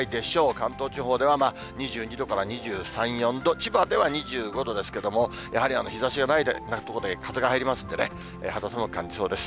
関東地方ではまあ、２２度から２３、４度、千葉では２５度ですけれども、やはり日ざしがない所で風が入りますんでね、肌寒く感じそうです。